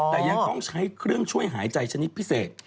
แต่ยังต้องใช้เครื่องช่วยหายใจชนิดพิเศษ